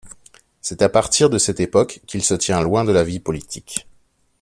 C'est à partir de cette époque qu'il se tient loin de la vie politique.